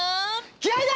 気合いだ！